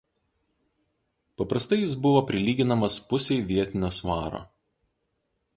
Paprastai jis buvo prilyginamas pusei vietinio svaro.